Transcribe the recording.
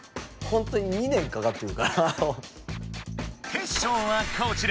テッショウはこちら。